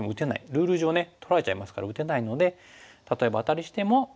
ルール上ね取られちゃいますから打てないので例えばアタリしても。